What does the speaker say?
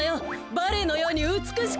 バレエのようにうつくしく。